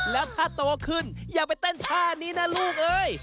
แล้วถ้าโตขึ้นอย่าไปเต้นท่านี้นะลูกเอ้ย